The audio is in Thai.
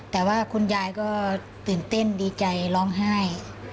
แต่ว่าคุณยายก็ตื่นเต้นดีใจร้องไห้